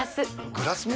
グラスも？